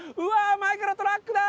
前からトラックだ！